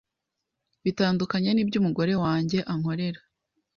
bitandukanye n’ibyo umugore wanjye ankorera.